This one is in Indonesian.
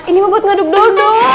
ini mau buat ngaduk dodol